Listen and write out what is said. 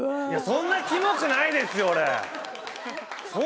そんなキモくはないです！